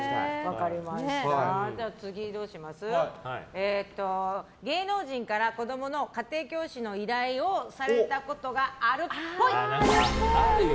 次、芸能人から子供の家庭教師の依頼をされたことあるっぽい。